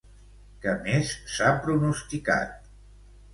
Què més s'ha pronosticat?